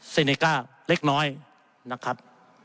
เนก้าเล็กน้อยนะครับ